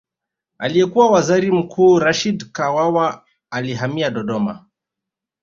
Aliyekuwa Waziri Mkuu Rashid Kawawa alihamia Dodoma